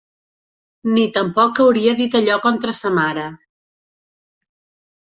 Ni tampoc hauria dit allò contra sa mare.